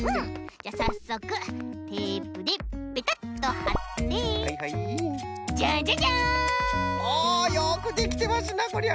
じゃあさっそくテープでペタッとはってじゃんじゃじゃん！おおよくできてますなこりゃ。